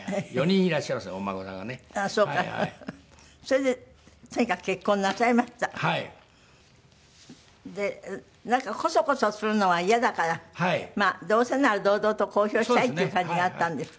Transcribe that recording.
でなんかコソコソするのは嫌だからどうせなら堂々と公表したいっていう感じがあったんですって？